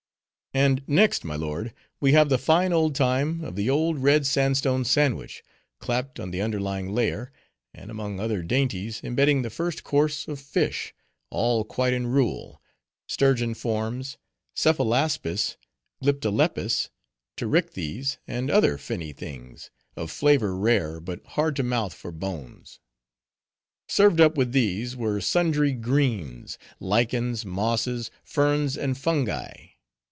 "And next, my lord, we have the fine old time of the Old Red Sandstone sandwich, clapped on the underlying layer, and among other dainties, imbedding the first course of fish,—all quite in rule,—sturgeon forms, cephalaspis, glyptolepis, pterichthys; and other finny things, of flavor rare, but hard to mouth for bones. Served up with these, were sundry greens,—lichens, mosses, ferns, and fungi.